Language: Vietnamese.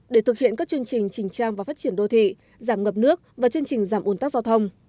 để thực hiện các chương trình trình trang và phát triển đô thị giảm ngập nước và chương trình giảm ồn tắc giao thông